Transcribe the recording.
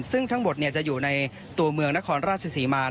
ซึ่งทั้งหมดจะอยู่ในตัวเมืองนครราชศรีมาร